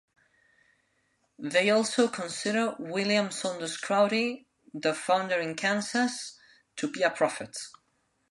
They also consider William Saunders Crowdy, their founder in Kansas, to be a prophet.